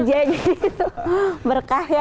jadi itu berkah ya